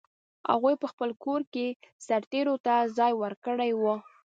هغوی په خپل کور کې سرتېرو ته ځای ورکړی و.